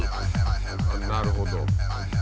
なるほど。